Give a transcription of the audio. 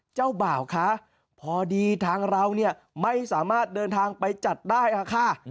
เจ้าบ่าวคะพอดีทางเราเนี่ยไม่สามารถเดินทางไปจัดได้ค่ะ